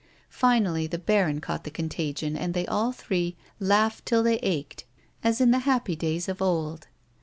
Finally the baron caught the contagion and they all three laughed till they ached as in the happy days of old.